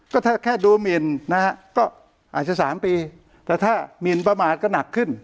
ก็ถ้าแค่ดูหมินนะฮะก็อาจจะ๓ปีแต่ถ้าหมินประมาทก็หนักขึ้น